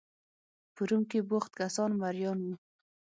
په روم کې بوخت کسان مریان وو.